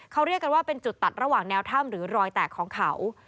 เขาเรียกกันว่าเป็นจุดตัดระหว่างแนวถ้ำหรือรอยแตกของเขา